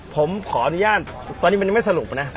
ผมขออนุญาตตอนนี้มันยังไม่สรุปนะ